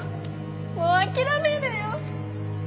もう諦めるよ。